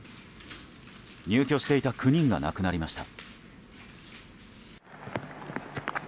入居していた９人が亡くなりました。